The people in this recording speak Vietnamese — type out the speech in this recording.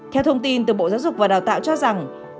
theo thông tin từ bộ giáo dục và đào tạo cho rằng